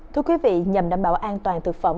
thưa quý vị nhằm đảm bảo an toàn thực phẩm